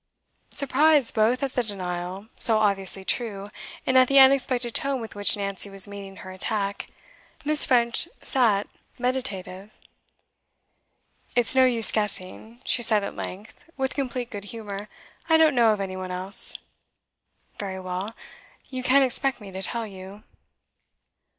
Surprised both at the denial, so obviously true, and at the unexpected tone with which Nancy was meeting her attack, Miss. French sat meditative. 'It's no use guessing,' she said at length, with complete good humour. 'I don't know of any one else.' 'Very well. You can't expect me to tell you.